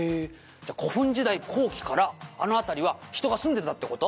じゃあ古墳時代後期からあの辺りは人が住んでたって事？」